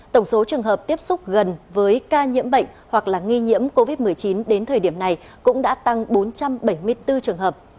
tổng số trường hợp tiếp xúc gần với ca nhiễm bệnh hoặc nghi nhiễm covid một mươi chín đến thời điểm này cũng đã tăng bốn trăm bảy mươi bốn trường hợp